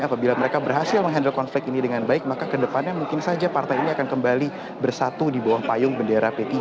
apabila mereka berhasil menghandle konflik ini dengan baik maka kedepannya mungkin saja partai ini akan kembali bersatu di bawah payung bendera p tiga